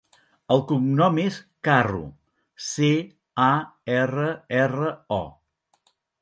El cognom és Carro: ce, a, erra, erra, o.